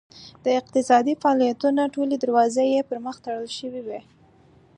د اقتصادي فعالیتونو ټولې دروازې یې پرمخ تړل شوې وې.